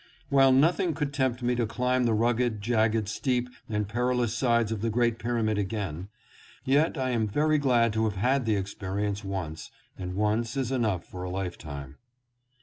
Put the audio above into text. While nothing could tempt me to climb the rugged jagged, steep and perilous sides of the Great Pyramid 712 THE SPHINX AND THE PYRAMIDS. again, yet I am very glad to have had the experience once, and once is enough for a lifetime.